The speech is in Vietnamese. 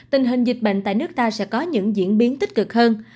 tình hình dịch bệnh tại nước ta sẽ có những diễn biến tích cực hơn